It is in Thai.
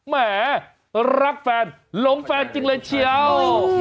แหมรักแฟนหลงแฟนจริงเลยเชียว